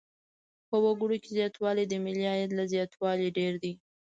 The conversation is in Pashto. په وګړو کې زیاتوالی د ملي عاید له زیاتوالي ډېر دی.